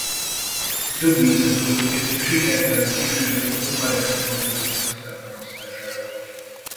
Több ízben történt sikertelen kísérlet a bukaresti Magyar Színház feltámasztására.